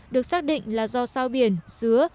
được xác định là do sao biển sứa